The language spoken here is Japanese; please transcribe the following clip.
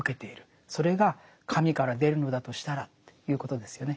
それが神から出るのだとしたらということですよね。